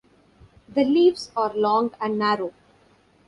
The leaves are long and narrow.